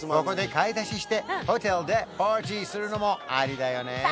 ここで買い出ししてホテルでパーティーするのもありだよね？